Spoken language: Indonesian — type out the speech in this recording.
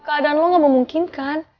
keadaan lo ga memungkinkan